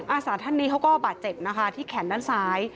อาสาท่านนี้เขาก็บาดเจ็บนะคะที่แขนด้านซ้าย